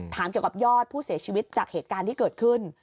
ถามเกี่ยวกับยอดผู้เสียชีวิตจากเหตุการณ์ที่เกิดขึ้น